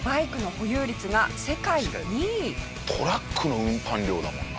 トラックの運搬量だもんな。